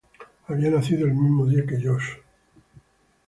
Había nacido el mismo día que Josh.